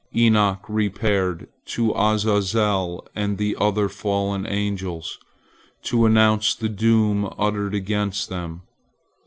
Enoch repaired to Azazel and the other fallen angels, to announce the doom uttered against them.